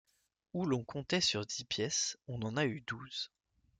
Où l’on comptait sur dix pièces on en a eu douze.